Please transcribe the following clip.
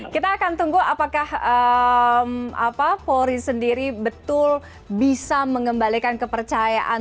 kita akan tunggu apakah polri sendiri betul bisa mengembalikan kepercayaan